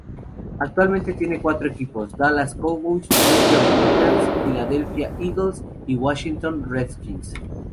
Actualmente tiene cuatro equipos: Dallas Cowboys, New York Giants, Philadelphia Eagles y Washington Redskins.